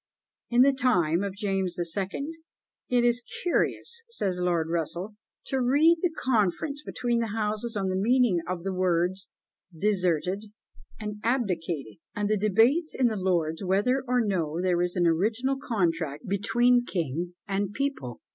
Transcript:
In the time of James the Second "it is curious," says Lord Russell, "to read the conference between the Houses on the meaning of the words 'deserted' and 'abdicated,' and the debates in the Lords whether or no there is an original contract between king and people."